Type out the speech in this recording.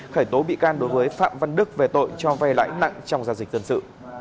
khởi tố bị can đối với phạm văn đức về tội cho vay lãi nặng trong giao dịch dân sự